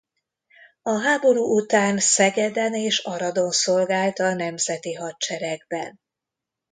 A háború után Szegeden és Aradon szolgált a Nemzeti Hadseregben.